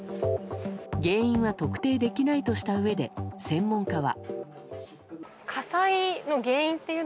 原因は特定できないとしたうえで専門家は。